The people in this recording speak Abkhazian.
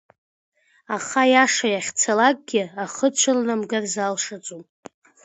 Аха, аиаша иахьцалакгьы ахы цәырнамгар залшаӡом.